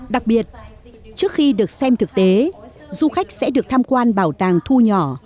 đặc biệt trước khi được xem thực tế du khách sẽ được tham quan bảo tàng thu nhỏ